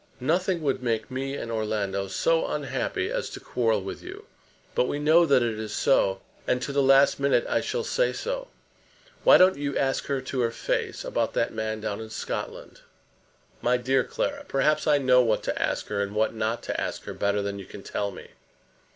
Nothing would make me and Orlando so unhappy as to quarrel with you. But we know that it is so, and to the last minute I shall say so. Why don't you ask her to her face about that man down in Scotland?" "My dear Clara, perhaps I know what to ask her and what not to ask her better than you can tell me."